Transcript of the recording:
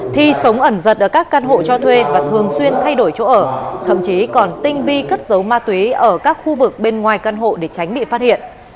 thi sống ẩn giật ở các căn hộ cho thuê và thường xuyên thay đổi chỗ ở thậm chí còn tinh vi cất giấu ma túy ở các khu vực bên ngoài căn hộ để tránh bị phát hiện